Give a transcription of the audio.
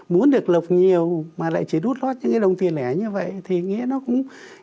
muốn được lọc nhiều mà lại chỉ đút có những cái đồng tiền lẻ như vậy thì nghĩa nó cũng